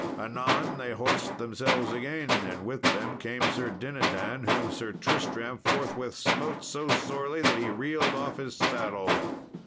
Anon they horsed themselves again, and with them came Sir Dinadan, whom Sir Tristram forthwith smote so sorely, that he reeled off his saddle.